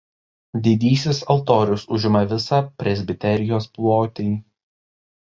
Didysis altorius užima visą presbiterijos plotį.